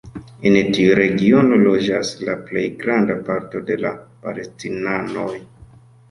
En tiu regiono loĝas la plej granda parto de la palestinanoj.